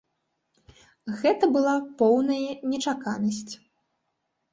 Гэта была поўная нечаканасць.